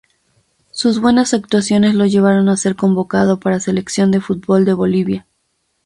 Sus buenas actuaciones lo llevaron a ser convocado para Selección de fútbol de Bolivia.